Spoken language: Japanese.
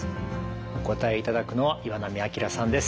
お答えいただくのは岩波明さんです。